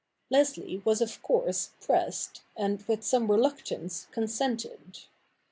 Leslie was of course pressed, and with some reluctance consented.